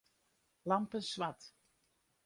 Lampen swart.